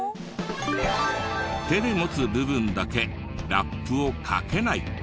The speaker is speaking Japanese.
手で持つ部分だけラップをかけない。